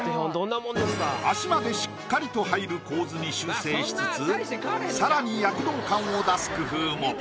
足までしっかりと入る構図に修正しつつ更に躍動感を出す工夫も。